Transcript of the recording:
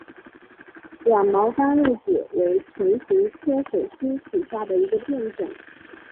软毛甘露子为唇形科水苏属下的一个变种。